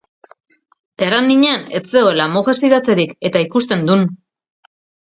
Erran ninan ez zegoela mojez fidatzerik, eta ikusten dun...